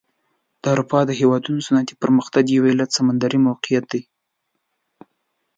د اروپا د هېوادونو صنعتي پرمختګ یو علت سمندري موقعیت دی.